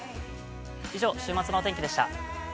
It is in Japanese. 以上、週末のお天気でした。